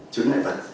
chứng ngại vật